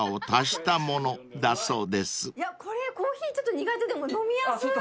これコーヒーちょっと苦手でも飲みやすい。